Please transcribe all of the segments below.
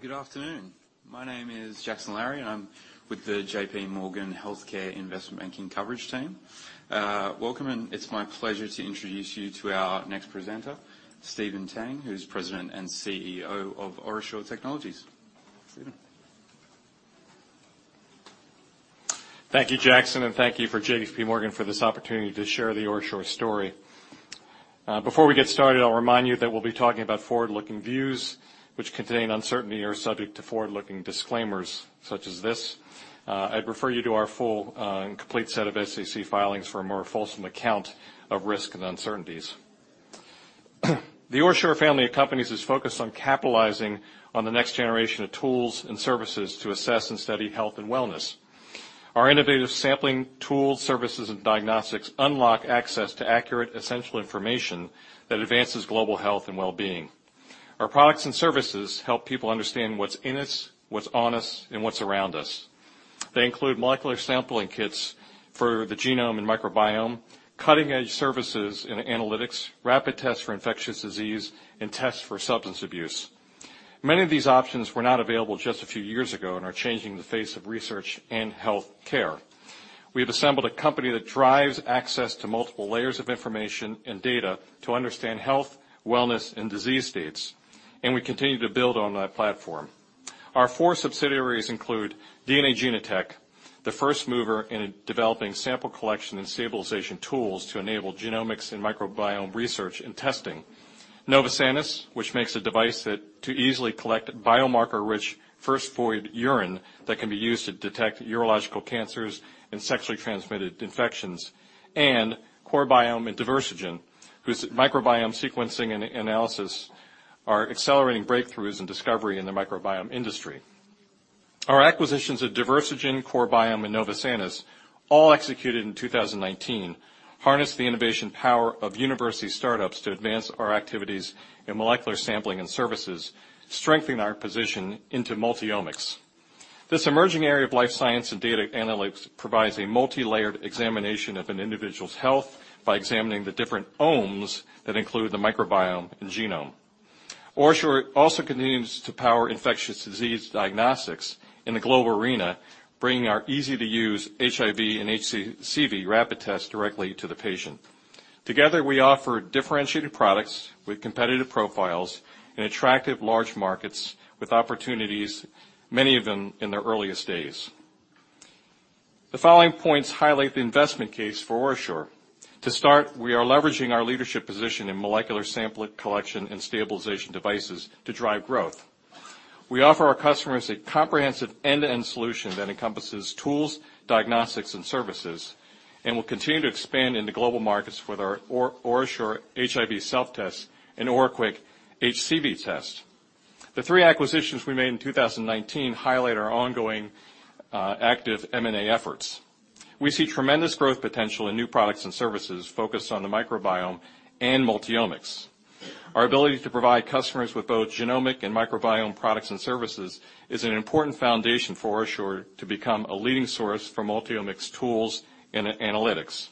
Good afternoon. My name is Larry Jackson, and I'm with the JPMorgan Healthcare Investment Banking coverage team. Welcome, and it's my pleasure to introduce you to our next presenter, Stephen Tang, who's President and CEO of OraSure Technologies. Stephen? Thank you, Jackson. Thank you for JPMorgan for this opportunity to share the OraSure story. Before we get started, I'll remind you that we'll be talking about forward-looking views, which contain uncertainty or are subject to forward-looking disclaimers, such as this. I'd refer you to our full and complete set of SEC filings for a more fulsome account of risk and uncertainties. The OraSure family of companies is focused on capitalizing on the next generation of tools and services to assess and study health and wellness. Our innovative sampling tools, services, and diagnostics unlock access to accurate, essential information that advances global health and well-being. Our products and services help people understand what's in us, what's on us, and what's around us. They include molecular sampling kits for the genome and microbiome, cutting-edge services and analytics, rapid tests for infectious disease, and tests for substance abuse. Many of these options were not available just a few years ago and are changing the face of research and healthcare. We have assembled a company that drives access to multiple layers of information and data to understand health, wellness, and disease states, and we continue to build on that platform. Our four subsidiaries include DNA Genotek, the first mover in developing sample collection and stabilization tools to enable genomics and microbiome research and testing, Novosanis, which makes a device to easily collect biomarker-rich first void urine that can be used to detect urological cancers and sexually transmitted infections, and CoreBiome and Diversigen, whose microbiome sequencing and analysis are accelerating breakthroughs and discovery in the microbiome industry. Our acquisitions of Diversigen, CoreBiome, and Novosanis, all executed in 2019, harness the innovation power of university startups to advance our activities in molecular sampling and services, strengthening our position into multi-omics. This emerging area of life science and data analytics provides a multilayered examination of an individual's health by examining the different -omes that include the microbiome and genome. OraSure also continues to power infectious disease diagnostics in the global arena, bringing our easy-to-use HIV and HCV rapid tests directly to the patient. Together, we offer differentiated products with competitive profiles in attractive large markets with opportunities, many of them in their earliest days. The following points highlight the investment case for OraSure. To start, we are leveraging our leadership position in molecular sampling collection and stabilization devices to drive growth. We offer our customers a comprehensive end-to-end solution that encompasses tools, diagnostics, and services, and we'll continue to expand into global markets with our OraQuick HIV Self-Test and OraQuick HCV test. The three acquisitions we made in 2019 highlight our ongoing active M&A efforts. We see tremendous growth potential in new products and services focused on the microbiome and multi-omics. Our ability to provide customers with both genomic and microbiome products and services is an important foundation for OraSure to become a leading source for multi-omics tools and analytics.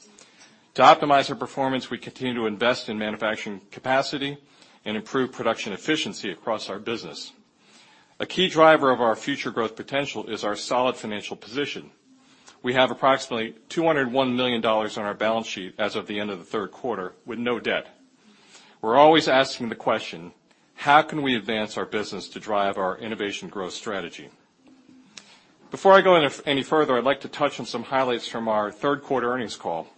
To optimize our performance, we continue to invest in manufacturing capacity and improve production efficiency across our business. A key driver of our future growth potential is our solid financial position. We have approximately $201 million on our balance sheet as of the end of the third quarter, with no debt. We're always asking the question: how can we advance our business to drive our innovation growth strategy? Before I go any further, I'd like to touch on some highlights from our third quarter earnings call.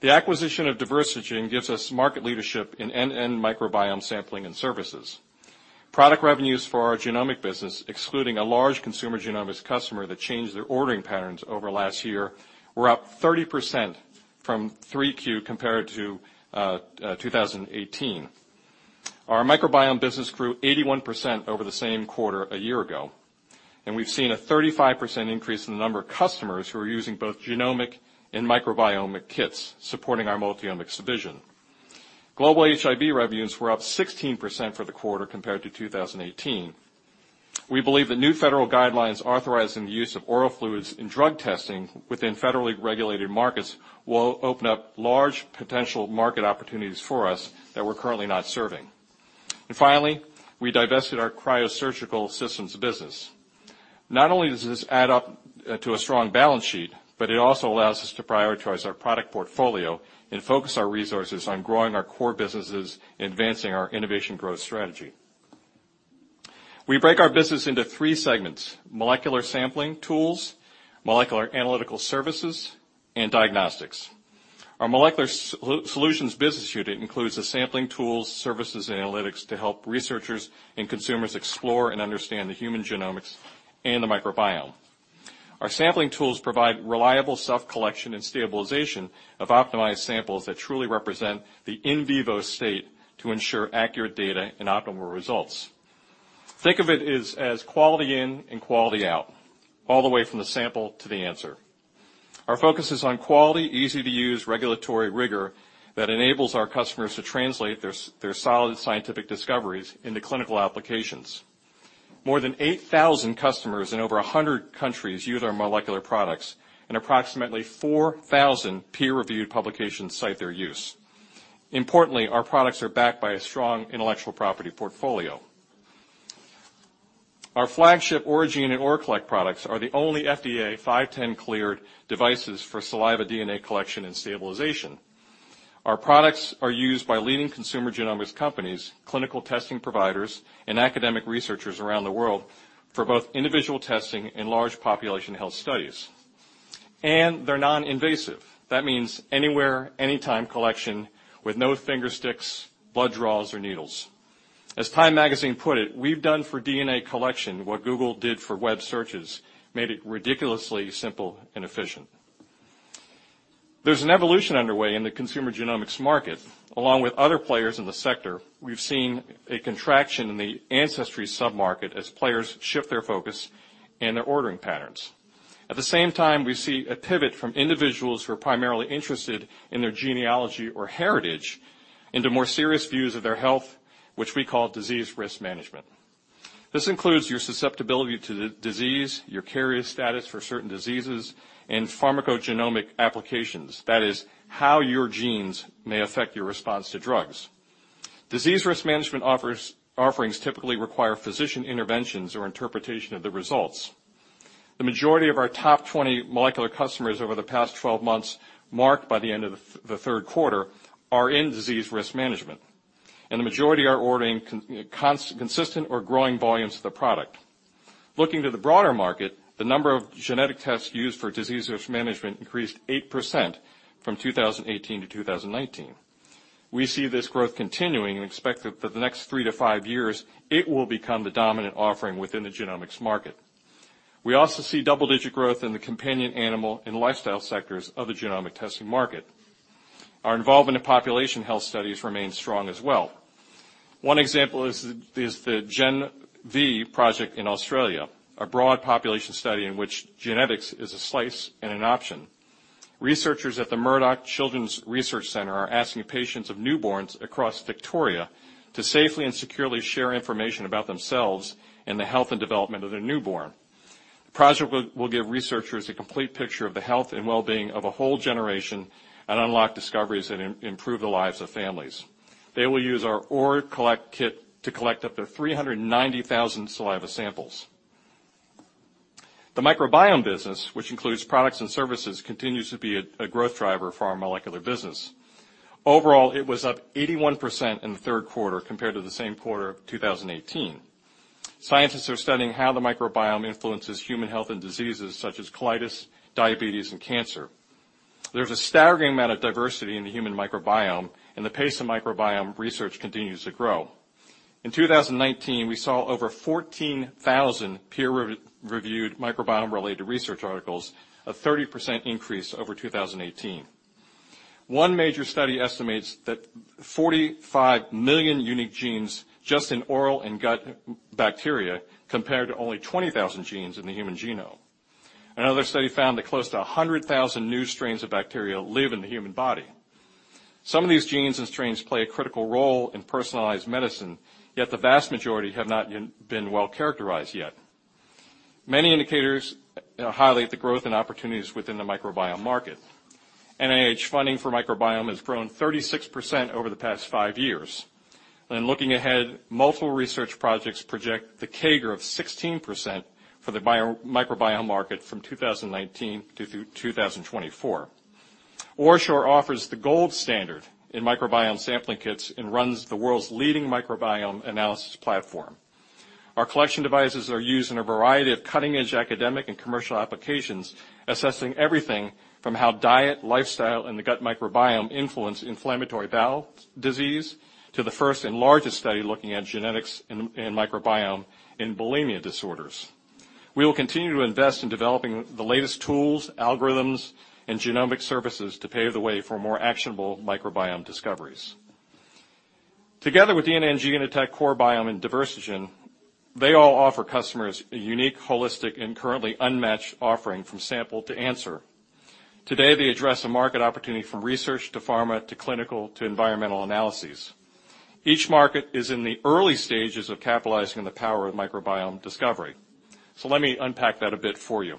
The acquisition of Diversigen gives us market leadership in end-to-end microbiome sampling and services. Product revenues for our genomic business, excluding a large consumer genomics customer that changed their ordering patterns over last year, were up 30% from three Q compared to 2018. Our microbiome business grew 81% over the same quarter a year ago, and we've seen a 35% increase in the number of customers who are using both genomic and microbiome kits, supporting our multi-omics division. Global HIV revenues were up 16% for the quarter compared to 2018. We believe the new federal guidelines authorizing the use of oral fluids in drug testing within federally regulated markets will open up large potential market opportunities for us that we're currently not serving. Finally, we divested our cryosurgical systems business. Not only does this add up to a strong balance sheet, but it also allows us to prioritize our product portfolio and focus our resources on growing our core businesses, advancing our innovation growth strategy. We break our business into three segments: molecular sampling tools, molecular analytical services, and diagnostics. Our molecular solutions business unit includes the sampling tools, services, and analytics to help researchers and consumers explore and understand the human genomics and the microbiome. Our sampling tools provide reliable self-collection and stabilization of optimized samples that truly represent the in vivo state to ensure accurate data and optimal results. Think of it as quality in and quality out, all the way from the sample to the answer. Our focus is on quality, easy-to-use regulatory rigor that enables our customers to translate their solid scientific discoveries into clinical applications. More than 8,000 customers in over 100 countries use our molecular products, and approximately 4,000 peer-reviewed publications cite their use. Importantly, our products are backed by a strong intellectual property portfolio. Our flagship Oragene and ORAcollect products are the only FDA 510(k) cleared devices for saliva DNA collection and stabilization. Our products are used by leading consumer genomics companies, clinical testing providers, and academic researchers around the world for both individual testing and large population health studies. They're non-invasive. That means anywhere, anytime collection with no finger sticks, blood draws, or needles. As Time put it, we've done for DNA collection what Google did for web searches, made it ridiculously simple and efficient. There's an evolution underway in the consumer genomics market. Along with other players in the sector, we've seen a contraction in the ancestry sub-market as players shift their focus and their ordering patterns. At the same time, we see a pivot from individuals who are primarily interested in their genealogy or heritage into more serious views of their health, which we call disease risk management. This includes your susceptibility to disease, your carrier status for certain diseases, and pharmacogenomic applications. That is, how your genes may affect your response to drugs. Disease risk management offerings typically require physician interventions or interpretation of the results. The majority of our top 20 molecular customers over the past 12 months, marked by the end of the third quarter, are in disease risk management. The majority are ordering consistent or growing volumes of the product. Looking to the broader market, the number of genetic tests used for disease risk management increased 8% from 2018 to 2019. We see this growth continuing and expect that for the next three to five years, it will become the dominant offering within the genomics market. We also see double-digit growth in the companion animal and lifestyle sectors of the genomic testing market. Our involvement in population health studies remains strong as well. One example is the GenV project in Australia, a broad population study in which genetics is a slice and an option. Researchers at the Murdoch Children's Research Institute are asking patients of newborns across Victoria to safely and securely share information about themselves and the health and development of their newborn. The project will give researchers a complete picture of the health and wellbeing of a whole generation, and unlock discoveries that improve the lives of families. They will use our ORAcollect kit to collect up to 390,000 saliva samples. The microbiome business, which includes products and services, continues to be a growth driver for our molecular business. Overall, it was up 81% in the third quarter compared to the same quarter of 2018. Scientists are studying how the microbiome influences human health and diseases such as colitis, diabetes, and cancer. There's a staggering amount of diversity in the human microbiome, and the pace of microbiome research continues to grow. In 2019, we saw over 14,000 peer-reviewed microbiome-related research articles, a 30% increase over 2018. One major study estimates that 45 million unique genes just in oral and gut bacteria, compared to only 20,000 genes in the human genome. Another study found that close to 100,000 new strains of bacteria live in the human body. Some of these genes and strains play a critical role in personalized medicine, yet the vast majority have not been well-characterized yet. Many indicators highlight the growth and opportunities within the microbiome market. NIH funding for microbiome has grown 36% over the past five years. Looking ahead, multiple research projects project the CAGR of 16% for the microbiome market from 2019 to 2024. OraSure offers the gold standard in microbiome sampling kits and runs the world's leading microbiome analysis platform. Our collection devices are used in a variety of cutting-edge academic and commercial applications, assessing everything from how diet, lifestyle, and the gut microbiome influence inflammatory bowel disease, to the first and largest study looking at genetics and microbiome in bulimia disorders. We will continue to invest in developing the latest tools, algorithms, and genomic services to pave the way for more actionable microbiome discoveries. Together with DNA Genotek, CoreBiome, and Diversigen, they all offer customers a unique, holistic, and currently unmatched offering from sample to answer. Today, they address a market opportunity from research, to pharma, to clinical, to environmental analyses. Each market is in the early stages of capitalizing on the power of microbiome discovery. Let me unpack that a bit for you.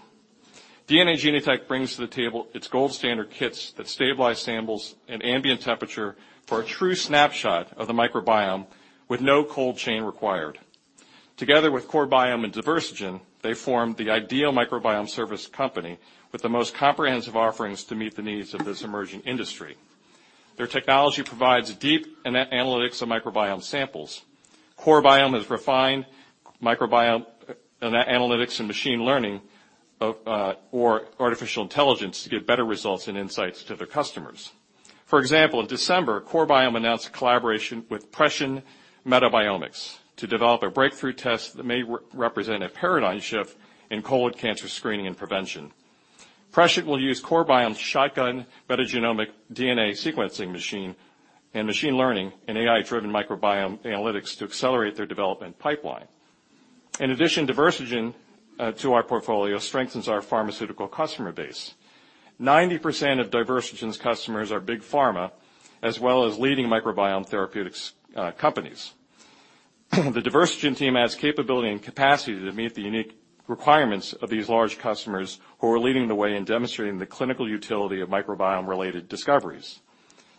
DNA Genotek brings to the table its gold standard kits that stabilize samples in ambient temperature for a true snapshot of the microbiome with no cold chain required. Together with CoreBiome and Diversigen, they form the ideal microbiome service company with the most comprehensive offerings to meet the needs of this emerging industry. Their technology provides deep analytics of microbiome samples. CoreBiome has refined microbiome analytics and machine learning or artificial intelligence to give better results and insights to their customers. For example, in December, CoreBiome announced a collaboration with Prescient Metabiomics to develop a breakthrough test that may represent a paradigm shift in colon cancer screening and prevention. Prescient will use CoreBiome's shotgun metagenomic DNA sequencing machine and machine learning and AI-driven microbiome analytics to accelerate their development pipeline. In addition, Diversigen, to our portfolio, strengthens our pharmaceutical customer base. 90% of Diversigen's customers are big pharma, as well as leading microbiome therapeutics companies. The Diversigen team has capability and capacity to meet the unique requirements of these large customers who are leading the way in demonstrating the clinical utility of microbiome-related discoveries.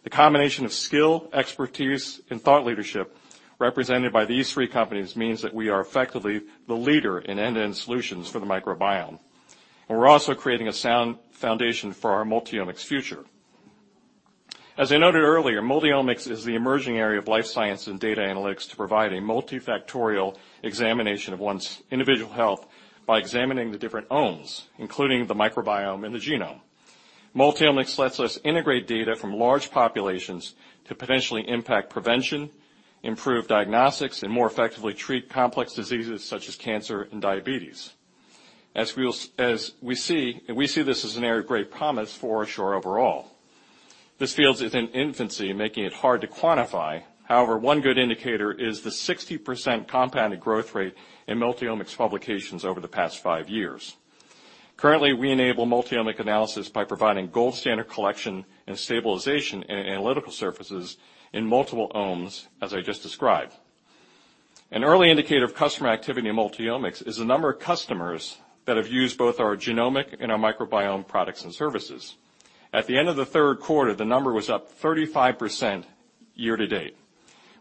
The combination of skill, expertise, and thought leadership represented by these three companies means that we are effectively the leader in end-to-end solutions for the microbiome, and we're also creating a sound foundation for our multi-omics future. As I noted earlier, multi-omics is the emerging area of life science and data analytics to provide a multifactorial examination of one's individual health by examining the different -omics, including the microbiome and the genome. Multi-omics lets us integrate data from large populations to potentially impact prevention, improve diagnostics, and more effectively treat complex diseases such as cancer and diabetes. We see this as an area of great promise for OraSure overall. This field is in infancy, making it hard to quantify. However, one good indicator is the 60% compounded growth rate in multi-omics publications over the past five years. Currently, we enable multi-omic analysis by providing gold standard collection and stabilization analytical surfaces in multiple -omes, as I just described. An early indicator of customer activity in multi-omics is the number of customers that have used both our genomic and our microbiome products and services. At the end of the third quarter, the number was up 35% year to date.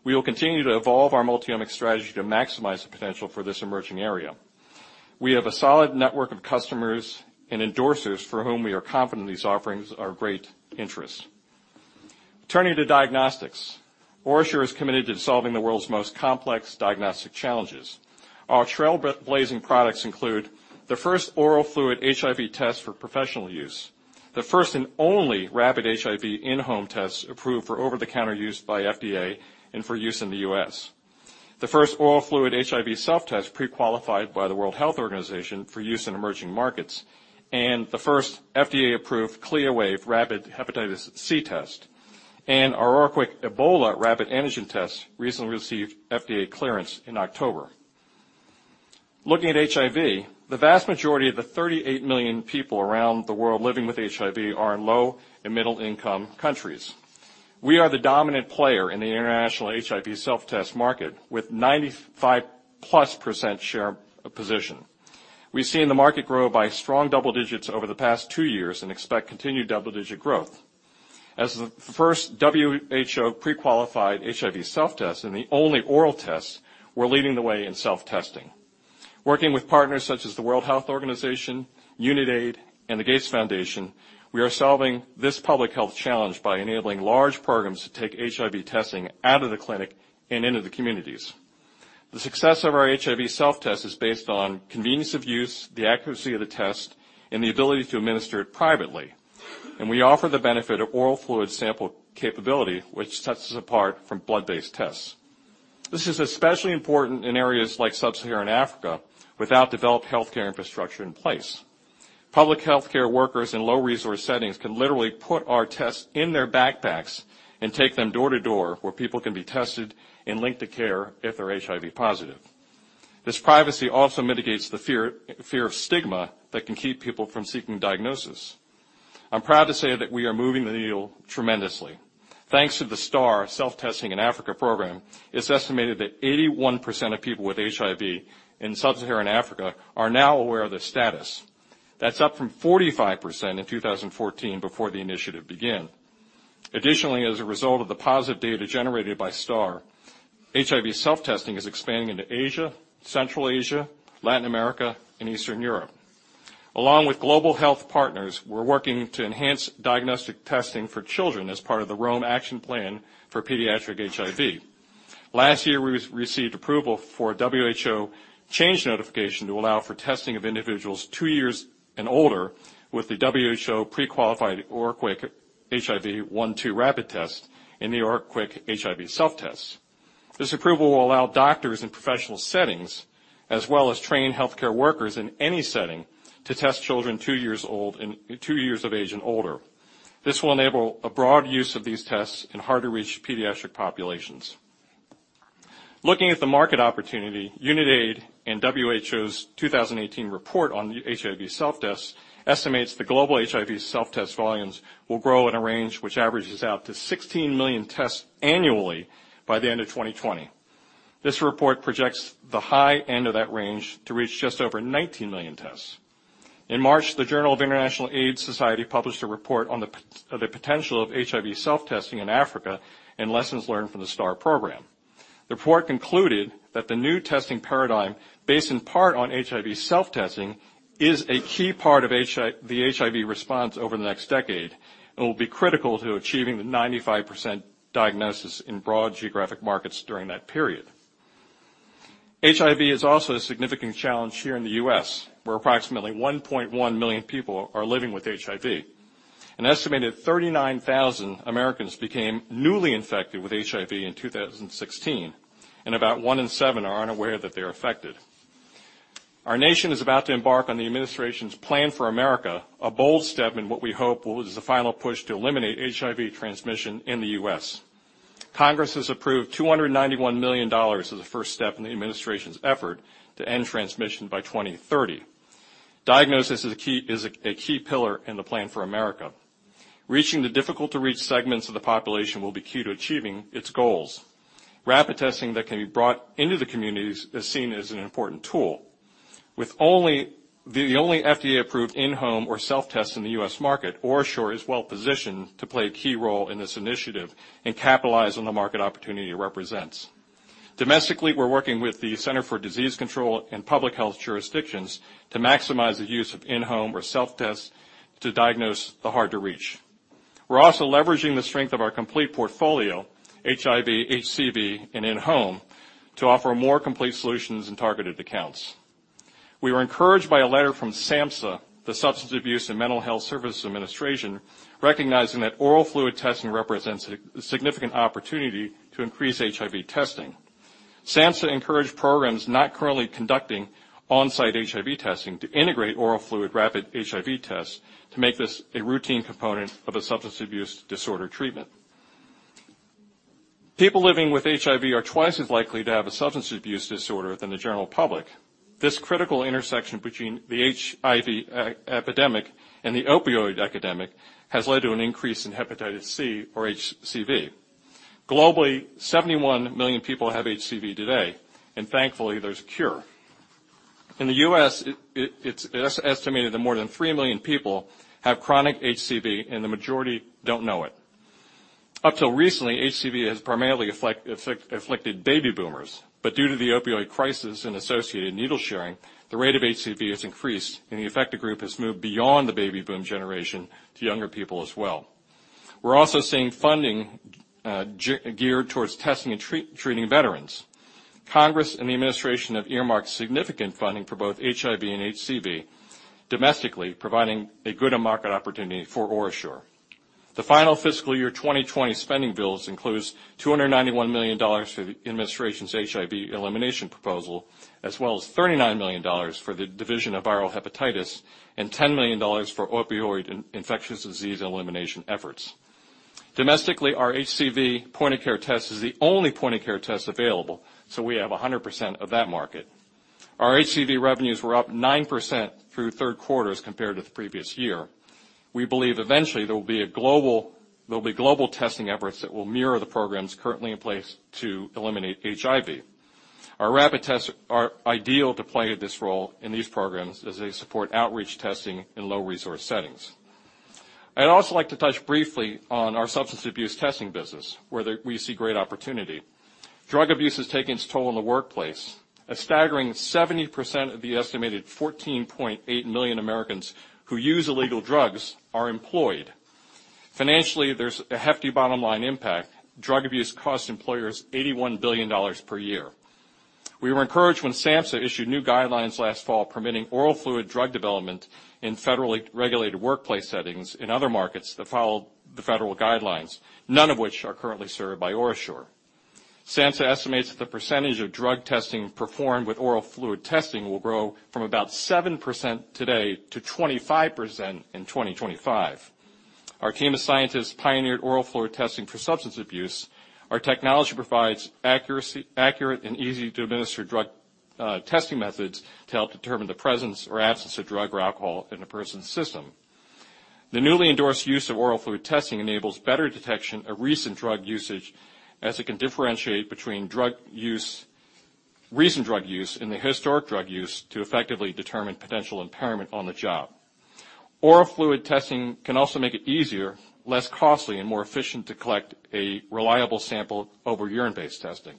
We will continue to evolve our multi-omic strategy to maximize the potential for this emerging area. We have a solid network of customers and endorsers for whom we are confident these offerings are of great interest. Turning to diagnostics, OraSure is committed to solving the world's most complex diagnostic challenges. Our trailblazing products include the first oral fluid HIV test for professional use, the first and only rapid HIV in-home test approved for over-the-counter use by FDA and for use in the U.S., the first oral fluid HIV self-test pre-qualified by the World Health Organization for use in emerging markets, and the first FDA-approved CLIA-waived rapid hepatitis C test. Our OraQuick Ebola Rapid Antigen Test recently received FDA clearance in October. Looking at HIV, the vast majority of the 38 million people around the world living with HIV are in low and middle-income countries. We are the dominant player in the international HIV self-test market, with 95+% share of position. We've seen the market grow by strong double digits over the past 2 years and expect continued double-digit growth. As the first WHO pre-qualified HIV self-test and the only oral test, we're leading the way in self-testing. Working with partners such as the World Health Organization, Unitaid, and the Gates Foundation, we are solving this public health challenge by enabling large programs to take HIV testing out of the clinic and into the communities. The success of our HIV self-test is based on convenience of use, the accuracy of the test, and the ability to administer it privately. We offer the benefit of oral fluid sample capability, which sets us apart from blood-based tests. This is especially important in areas like sub-Saharan Africa without developed healthcare infrastructure in place. Public healthcare workers in low-resource settings can literally put our tests in their backpacks and take them door to door, where people can be tested and linked to care if they're HIV positive. This privacy also mitigates the fear of stigma that can keep people from seeking diagnosis. I'm proud to say that we are moving the needle tremendously. Thanks to the STAR, Self-Testing in Africa program, it's estimated that 81% of people with HIV in sub-Saharan Africa are now aware of their status. That's up from 45% in 2014, before the initiative began. Additionally, as a result of the positive data generated by STAR, HIV self-testing is expanding into Asia, Central Asia, Latin America, and Eastern Europe. Along with global health partners, we're working to enhance diagnostic testing for children as part of the Rome Action Plan for pediatric HIV. Last year, we received approval for a WHO change notification to allow for testing of individuals two years and older with the WHO pre-qualified OraQuick HIV-1/2 Rapid Test and the OraQuick HIV Self-Test. This approval will allow doctors in professional settings, as well as trained healthcare workers in any setting, to test children two years of age and older. This will enable a broad use of these tests in hard-to-reach pediatric populations. Looking at the market opportunity, Unitaid and WHO's 2018 report on HIV self-tests estimates the global HIV self-test volumes will grow in a range which averages out to 16 million tests annually by the end of 2020. This report projects the high end of that range to reach just over 19 million tests. In March, the Journal of the International AIDS Society published a report on the potential of HIV self-testing in Africa and lessons learned from the STAR program. The report concluded that the new testing paradigm, based in part on HIV self-testing, is a key part of the HIV response over the next decade and will be critical to achieving the 95% diagnosis in broad geographic markets during that period. HIV is also a significant challenge here in the U.S., where approximately 1.1 million people are living with HIV. An estimated 39,000 Americans became newly infected with HIV in 2016, and about one in seven are unaware that they're affected. Our nation is about to embark on the administration's Plan for America, a bold step in what we hope will be the final push to eliminate HIV transmission in the U.S. Congress has approved $291 million as a first step in the administration's effort to end transmission by 2030. Diagnosis is a key pillar in the Plan for America. Reaching the difficult-to-reach segments of the population will be key to achieving its goals. Rapid testing that can be brought into the communities is seen as an important tool. With the only FDA-approved in-home or self-test in the U.S. market, OraSure is well-positioned to play a key role in this initiative and capitalize on the market opportunity it represents. Domestically, we're working with the Center for Disease Control and Public Health jurisdictions to maximize the use of in-home or self-tests to diagnose the hard-to-reach. We're also leveraging the strength of our complete portfolio, HIV, HCV, and in-home, to offer more complete solutions and targeted accounts. We were encouraged by a letter from SAMHSA, the Substance Abuse and Mental Health Services Administration, recognizing that oral fluid testing represents a significant opportunity to increase HIV testing. SAMHSA encouraged programs not currently conducting on-site HIV testing to integrate oral fluid rapid HIV tests to make this a routine component of a substance abuse disorder treatment. People living with HIV are twice as likely to have a substance abuse disorder than the general public. This critical intersection between the HIV epidemic and the opioid epidemic has led to an increase in hepatitis C or HCV. Globally, 71 million people have HCV today, and thankfully, there's a cure. In the U.S., it's estimated that more than 3 million people have chronic HCV, and the majority don't know it. Up till recently, HCV has primarily afflicted baby boomers, but due to the opioid crisis and associated needle sharing, the rate of HCV has increased, and the affected group has moved beyond the baby boom generation to younger people as well. We're also seeing funding geared towards testing and treating veterans. Congress and the administration have earmarked significant funding for both HIV and HCV, domestically providing a good market opportunity for OraSure. The final fiscal year 2020 spending bills includes $291 million for the administration's HIV elimination proposal, as well as $39 million for the division of viral hepatitis and $10 million for opioid infectious disease elimination efforts. Domestically, our HCV point-of-care test is the only point-of-care test available, so we have 100% of that market. Our HCV revenues were up 9% through third quarters compared to the previous year. We believe eventually there will be global testing efforts that will mirror the programs currently in place to eliminate HIV. Our rapid tests are ideal to play this role in these programs as they support outreach testing in low-resource settings. I'd also like to touch briefly on our substance abuse testing business, where we see great opportunity. Drug abuse is taking its toll in the workplace. A staggering 70% of the estimated 14.8 million Americans who use illegal drugs are employed. Financially, there's a hefty bottom-line impact. Drug abuse costs employers $81 billion per year. We were encouraged when SAMHSA issued new guidelines last fall permitting oral fluid drug development in federally regulated workplace settings in other markets that follow the federal guidelines, none of which are currently served by OraSure. SAMHSA estimates that the percentage of drug testing performed with oral fluid testing will grow from about 7% today to 25% in 2025. Our team of scientists pioneered oral fluid testing for substance abuse. Our technology provides accurate and easy-to-administer drug testing methods to help determine the presence or absence of drug or alcohol in a person's system. The newly endorsed use of oral fluid testing enables better detection of recent drug usage, as it can differentiate between recent drug use and the historic drug use to effectively determine potential impairment on the job. Oral fluid testing can also make it easier, less costly, and more efficient to collect a reliable sample over urine-based testing.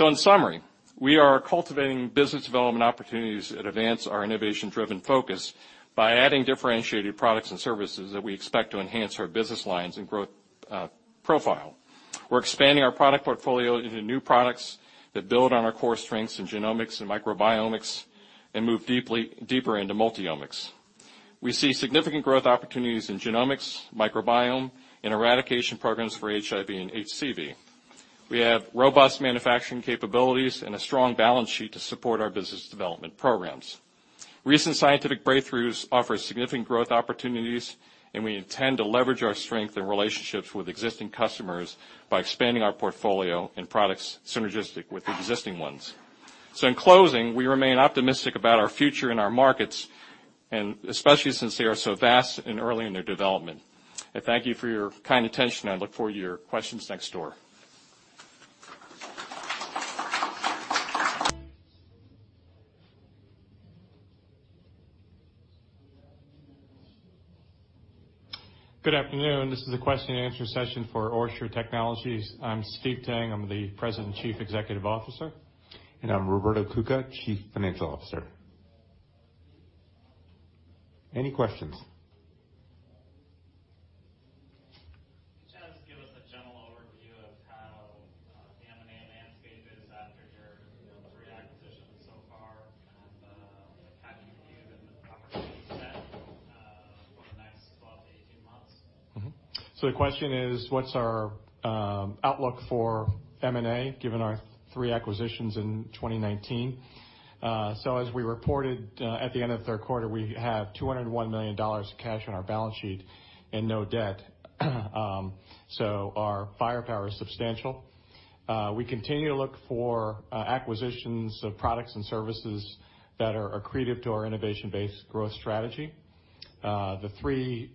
In summary, we are cultivating business development opportunities that advance our innovation-driven focus by adding differentiated products and services that we expect to enhance our business lines and growth profile. We're expanding our product portfolio into new products that build on our core strengths in genomics and microbiomics and move deeper into multi-omics. We see significant growth opportunities in genomics, microbiome, and eradication programs for HIV and HCV. We have robust manufacturing capabilities and a strong balance sheet to support our business development programs. Recent scientific breakthroughs offer significant growth opportunities. We intend to leverage our strength and relationships with existing customers by expanding our portfolio and products synergistic with existing ones. In closing, we remain optimistic about our future and our markets, especially since they are so vast and early in their development. I thank you for your kind attention. I look forward to your questions next door. Good afternoon. This is a question and answer session for OraSure Technologies. I'm Steve Tang. I'm the President and Chief Executive Officer. I'm Roberto Curcio, Chief Financial Officer. Any questions? Can you just give us a general overview of how the M&A landscape is? The question is, what's our outlook for M&A, given our three acquisitions in 2019? As we reported at the end of the third quarter, we have $201 million of cash on our balance sheet and no debt. Our firepower is substantial. We continue to look for acquisitions of products and services that are accretive to our innovation-based growth strategy. The three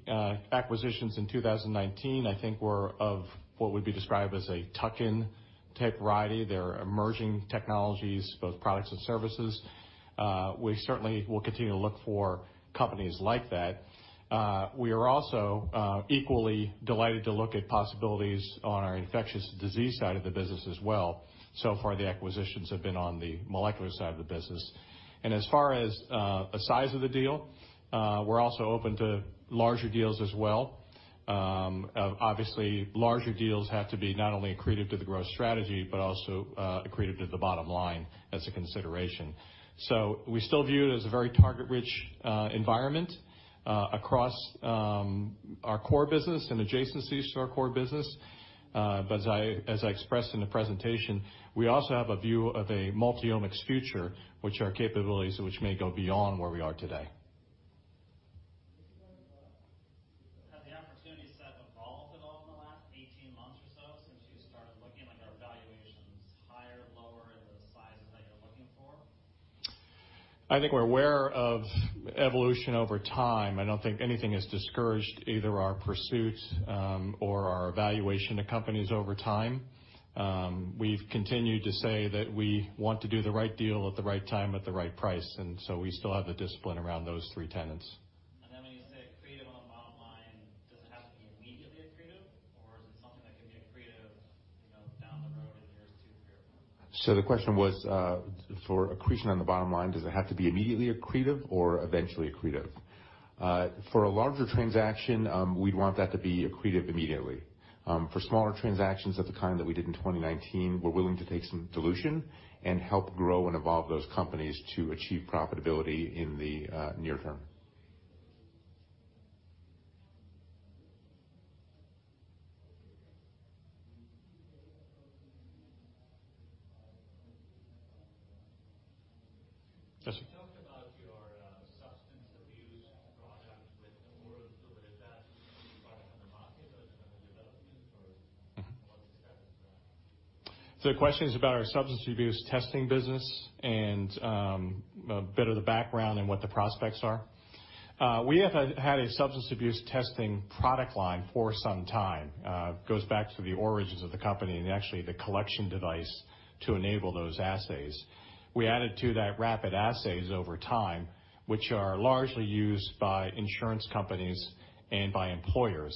acquisitions in 2019, I think were of what would be described as a tuck-in type variety. They're emerging technologies, both products and services. We certainly will continue to look for companies like that. We are also equally delighted to look at possibilities on our infectious disease side of the business as well. So far, the acquisitions have been on the molecular side of the business. As far as the size of the deal, we're also open to larger deals as well. Obviously, larger deals have to be not only accretive to the growth strategy, but also accretive to the bottom line as a consideration. We still view it as a very target-rich environment across our core business and adjacencies to our core business. As I expressed in the presentation, we also have a view of a multi-omics future, which are capabilities which may go beyond where we are today. Has the opportunity set evolved at all in the last 18 months or so since you started looking? Are valuations higher, lower, the sizes that you're looking for? I think we're aware of evolution over time. I don't think anything has discouraged either our pursuit or our valuation accompanies over time. We've continued to say that we want to do the right deal at the right time at the right price. We still have the discipline around those three tenets. When you say accretive on the bottom line, does it have to be immediately accretive, or is it something that can be accretive down the road in years two, three or four? The question was, for accretion on the bottom line, does it have to be immediately accretive or eventually accretive? For a larger transaction, we'd want that to be accretive immediately. For smaller transactions of the kind that we did in 2019, we're willing to take some dilution and help grow and evolve those companies to achieve profitability in the near term. Yes. You talked about your substance abuse product with oral fluid. Is that a product on the market or is it under development or what's the status of that? The question is about our substance abuse testing business and a bit of the background and what the prospects are. We have had a substance abuse testing product line for some time. It goes back to the origins of the company and actually the collection device to enable those assays. We added to that rapid assays over time, which are largely used by insurance companies and by employers.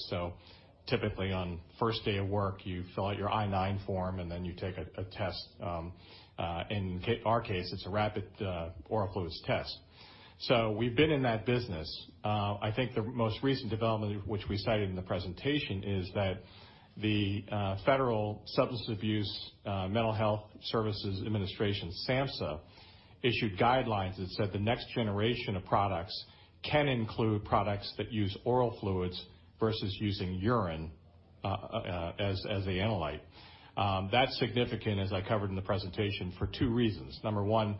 Typically, on the first day of work, you fill out your I-9 form, and then you take a test. In our case, it's a rapid oral fluids test. We've been in that business. I think the most recent development, which we cited in the presentation, is that the federal Substance Abuse Mental Health Services Administration, SAMHSA, issued guidelines that said the next generation of products can include products that use oral fluids versus using urine, as the analyte. That's significant, as I covered in the presentation, for two reasons. Number one,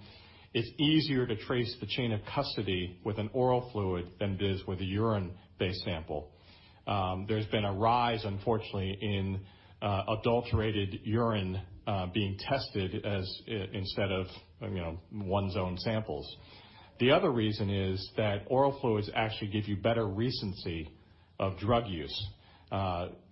it's easier to trace the chain of custody with an oral fluid than it is with a urine-based sample. There's been a rise, unfortunately, in adulterated urine being tested instead of one's own samples. The other reason is that oral fluids actually give you better recency of drug use.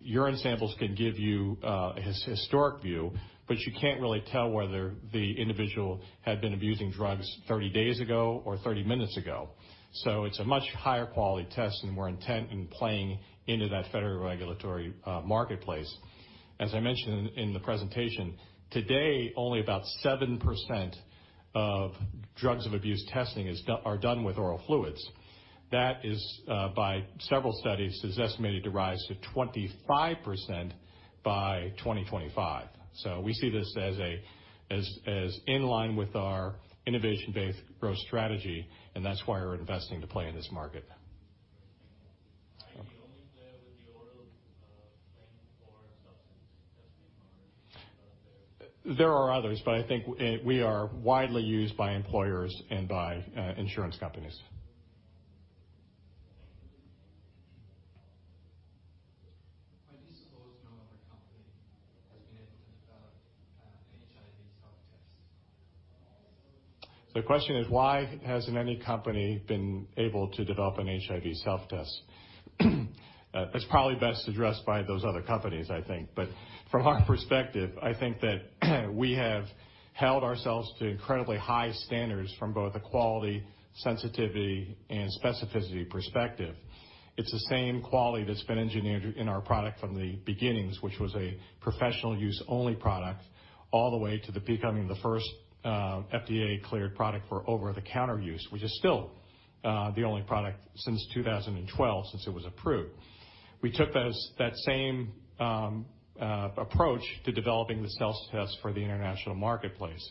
Urine samples can give you a historic view, but you can't really tell whether the individual had been abusing drugs 30 days ago or 30 minutes ago. It's a much higher quality test and more integral in playing into that federal regulatory marketplace. As I mentioned in the presentation, today, only about 7% of drugs of abuse testing are done with oral fluids. That, by several studies, is estimated to rise to 25% by 2025. We see this as in line with our innovation-based growth strategy, and that's why we're investing to play in this market. Are you the only player with the oral claim for substance testing or are there others? There are others, but I think we are widely used by employers and by insurance companies. Why do you suppose no other company has been able to develop an HIV self-test? The question is, why hasn't any company been able to develop an HIV Self-Test? That's probably best addressed by those other companies, I think. From our perspective, I think that we have held ourselves to incredibly high standards from both a quality, sensitivity, and specificity perspective. It's the same quality that's been engineered in our product from the beginnings, which was a professional use only product, all the way to becoming the first FDA-cleared product for over-the-counter use, which is still the only product since 2012, since it was approved. We took that same approach to developing the self-test for the international marketplace,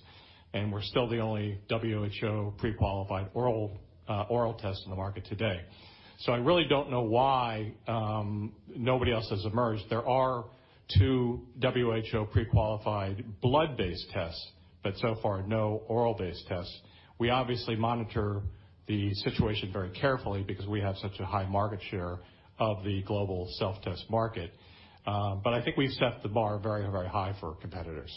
and we're still the only WHO pre-qualified oral test on the market today. I really don't know why nobody else has emerged. There are two WHO pre-qualified blood-based tests, but so far, no oral-based tests. We obviously monitor the situation very carefully because we have such a high market share of the global self-test market. I think we set the bar very high for competitors.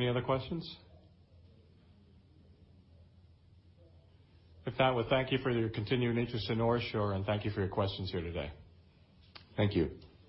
Any other questions? If not, well, thank you for your continuing interest in OraSure, and thank you for your questions here today. Thank you.